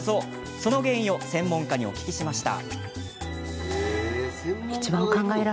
その原因を専門家にお聞きしました。